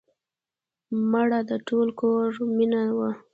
مړه د ټول کور مینه وه